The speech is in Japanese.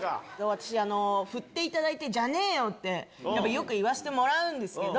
私ふっていただいてじゃねえよ！ってよく言わせてもらうんですけど。